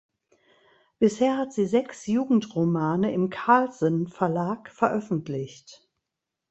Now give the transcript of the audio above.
Bisher hat sie sechs Jugendromane im Carlsen Verlag veröffentlicht.